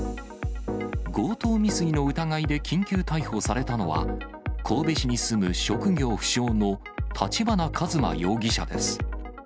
強盗未遂の疑いで緊急逮捕されたのは、神戸市に住む職業不詳の立花和真容疑者です。